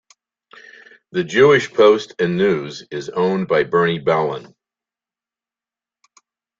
"The Jewish Post and News" is owned by Bernie Bellan.